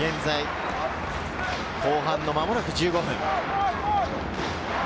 後半、間もなく１５分。